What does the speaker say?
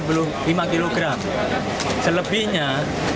selebihnya harus ada izin edar harus memiliki izin edar